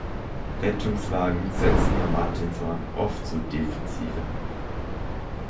Rettungswagen setzen ihr Martinshorn oft zu defensiv ein.